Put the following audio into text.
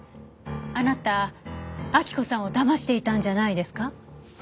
あなた明子さんを騙していたんじゃないですか？